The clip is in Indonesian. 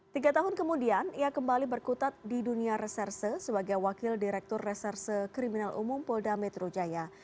tiga tahun kemudian ia kembali berkutat di dunia reserse sebagai wakil direktur reserse kriminal umum polda metro jaya